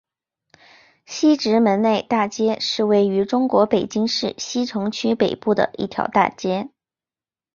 西直门内大街是位于中国北京市西城区北部的一条大街。